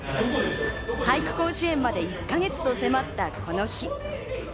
俳句甲子園まで１か月と迫ったこの日。